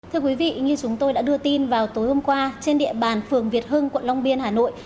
thưa quý vị như chúng tôi đã đưa tin vào tối hôm qua trên địa bàn phường việt hưng quận long biên hà nội